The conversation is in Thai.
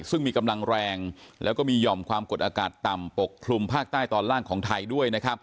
ซึ่งมีกำลังแรงแล้วก็มีห่อมความกดอากาศต่ำปกคลุมภาคใต้ตอนล่างของไทยด้วยนะครับ